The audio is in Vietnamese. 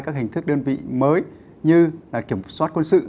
các hình thức đơn vị mới như kiểm soát quân sự